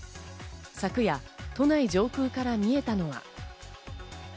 昨夜、都内上空から見えたのは。